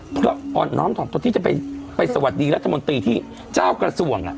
เพราะน้องต่อที่จะไปสวัสดีรัฐมนตรีที่เจ้ากระทรวง